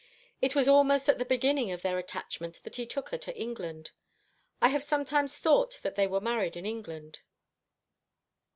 It was almost at the beginning of their attachment that he took her to England. I have sometimes thought that they were married in England."